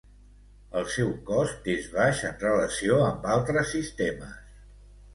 El seu cost és baix en relació amb altres sistemes.